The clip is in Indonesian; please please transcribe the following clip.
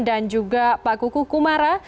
dan juga pak kuku kumara